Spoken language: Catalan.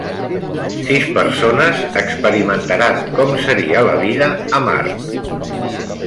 Sis persones experimentaran com seria la vida a Mart